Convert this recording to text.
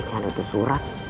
jangan ada itu surat